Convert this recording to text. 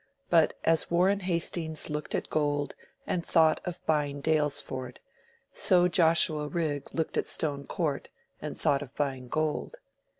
But as Warren Hastings looked at gold and thought of buying Daylesford, so Joshua Rigg looked at Stone Court and thought of buying gold.